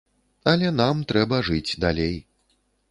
Але нам трэба жыць далей.